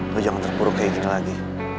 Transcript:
gue jangan terpuruk kayak gini lagi